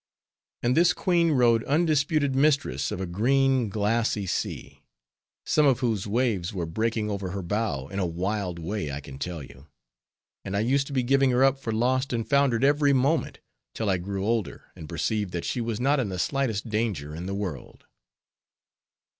And this Queen rode undisputed mistress of a green glassy sea, some of whose waves were breaking over her bow in a wild way, I can tell you, and I used to be giving her up for lost and foundered every moment, till I grew older, and perceived that she was not in the slightest danger in the world.